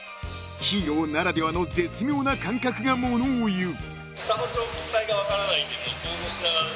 ［ヒーローならではの絶妙な感覚がものをいう］